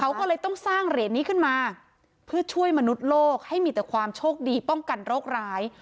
เขาก็เลยต้องสร้างเหรียญนี้ขึ้นมาเพื่อช่วยมนุษย์โลกให้มีแต่ความโชคดีป้องกันโรคร้าย